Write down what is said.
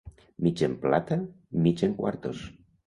Mig en plata mig en quartos.